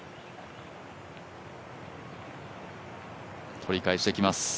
取り返してきます。